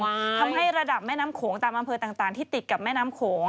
ทำให้ระดับแม่น้ำโขงตามอำเภอต่างที่ติดกับแม่น้ำโขง